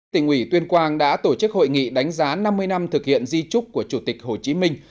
tỉnh ủy tuyên quang đã tổ chức hội nghị đánh giá năm mươi năm thực hiện di trúc của chủ tịch hồ chí minh